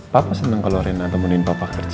papa senang kalau rena temunin papa kerja